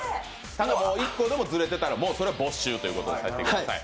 ただ、１個でもずれていたら、それはもう没収とさせてください。